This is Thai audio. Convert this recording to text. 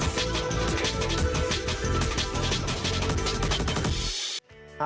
สวัสดีครับคุณสวัสดีครับ